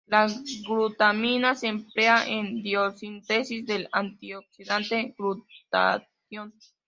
La glutamina se emplea en biosíntesis del antioxidante glutatión.